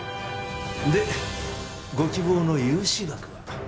でご希望の融資額は？